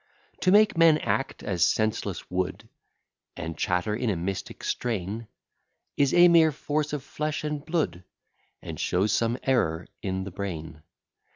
To make men act as senseless wood, And chatter in a mystic strain, Is a mere force on flesh and blood, And shows some error in the brain.